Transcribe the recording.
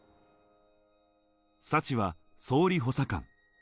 サチは総理補佐官。